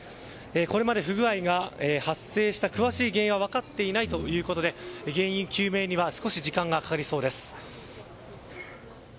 これまでに不具合が発生した詳しい原因は分かっていないということで原因究明には次です。